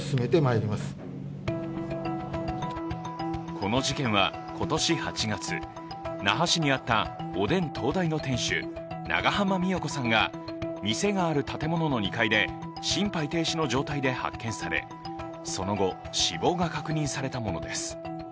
この事件は今年８月那覇市にあったおでん東大の店主、長濱美也子さんが店がある建物の２階で心肺停止の状態で発見され、その後、死亡が確認されたものです